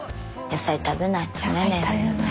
野菜食べないとね。